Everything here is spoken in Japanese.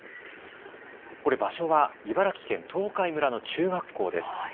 これ、場所は茨城県東海村の中学校です。